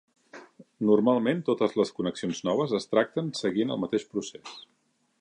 Normalment, totes les connexions noves es tracten seguint el mateix procés.